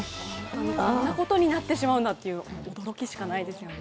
そんなことになってしまうんだという驚きしかないですよね。